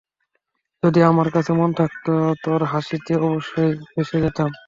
যদি আমার কাছে মন থাকতো, তোর হাসি তে অবশ্যই ফেঁসে যেতাম।